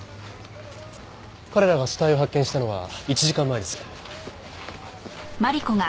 彼らが死体を発見したのは１時間前です。